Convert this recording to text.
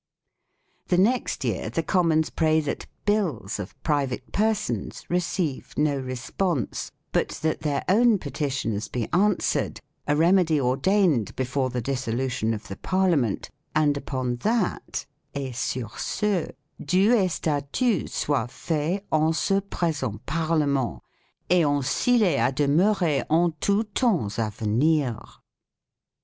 The next year the Commons pray that " bills " of private persons receive no response, but that their own petitions be answered, a remedy ordained before the dissolution of the Parliament, and upon that " et sur ce due Estatut soit fait en ce present Parlement, et enseale a demurrer en tout temps a venir".